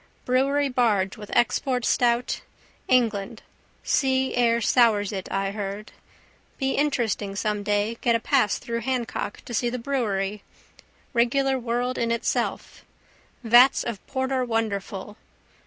Brewery barge with export stout. England. Sea air sours it, I heard. Be interesting some day get a pass through Hancock to see the brewery. Regular world in itself. Vats of porter wonderful.